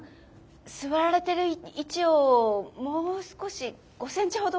座られてる位置をもう少し５センチほどご自分の左に。